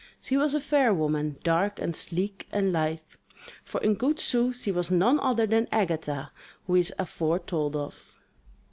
She was a fair woman, dark and sleek and lithe...for in good sooth she was none other than Agatha, who is afore told of.